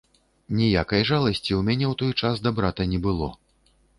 Ніякай жаласці ў мяне ў той час да брата не было.